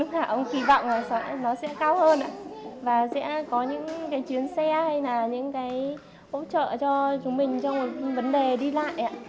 thả ông kỳ vọng là nó sẽ cao hơn ạ và sẽ có những cái chuyến xe hay là những cái hỗ trợ cho chúng mình trong vấn đề đi lại